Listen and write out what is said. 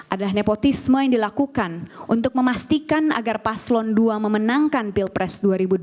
adalah nepotisme yang dilakukan untuk memastikan agar paslon dua memenangkan pilpres dua ribu dua puluh